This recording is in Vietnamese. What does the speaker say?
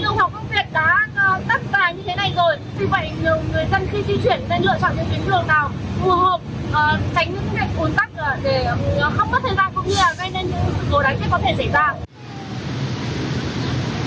cũng như là gây nên những lối đánh kết có thể xảy ra